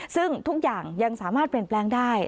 ซึ่งทุกอย่างยังสามารถเปลี่ยนแปลงได้